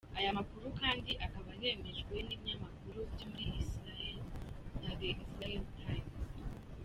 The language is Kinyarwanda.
Aya makuru kandi akaba yemejwe n’ibinyamakuru byo muri Israel nka The Israel Times.